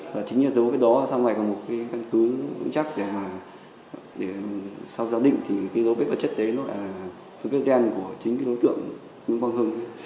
và chính là dấu vết đó xong lại là một căn cứ vững chắc để mà sau giáo định thì cái dấu vết vật chất đấy nó là dấu vết gen của chính đối tượng nguyễn quang hưng